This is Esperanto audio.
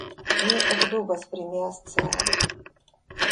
Mi ekdubas pri mia sciado.